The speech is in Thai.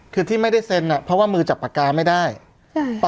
คือที่ไม่ได้เซ็นอ่ะเพราะว่ามือจับปากกาไม่ได้ใช่